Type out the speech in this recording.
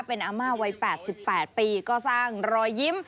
เป็นอาม่าวัย๘๘ปีก็สร้างรอยยิ้ม